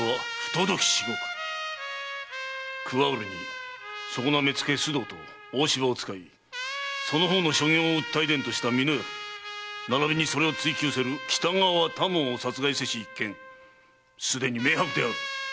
加うるにそこな目付須藤と大柴を使いその方の所業を訴え出んとした美濃屋並びにそれを追求せる北川多門を殺害せし一件すでに明白である。